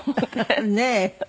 ねえ。